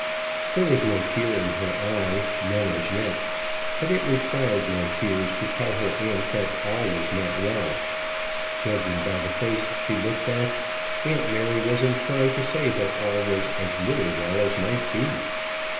There was no tear in her eye, none as yet; but it required no tears to tell her aunt that all was not well. Judging by the face she looked at, aunt Mary was inclined to say that all was as little well as might be.